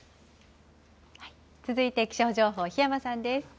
続いて気象情報、檜山さんです。